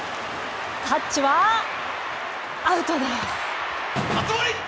タッチはアウトです！